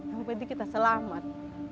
yang penting kita selamat